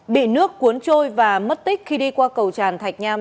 bị nước cuốn trôi và mất tích khi đi qua cầu tràn thạch nham